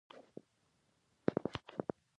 دا د اساسي قانون په رڼا کې وي.